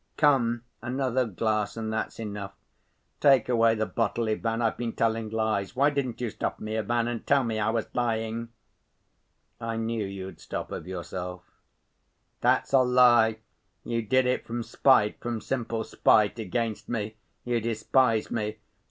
Come, another glass and that's enough. Take away the bottle, Ivan. I've been telling lies. Why didn't you stop me, Ivan, and tell me I was lying?" "I knew you'd stop of yourself." "That's a lie. You did it from spite, from simple spite against me. You despise me.